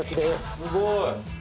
すごい。